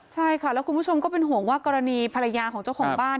ใช่ค่ะแล้วคุณผู้ชมก็เป็นห่วงว่ากรณีภรรยาของเจ้าของบ้าน